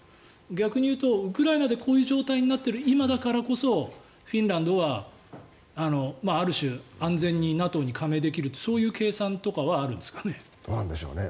逆に言うとウクライナでこういう状態になっている今だからこそフィンランドはある種、安全にＮＡＴＯに加盟できるというそういう計算とかはあるんですかね。